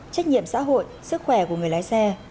trách nhiệm xã hội sức khỏe của người lái xe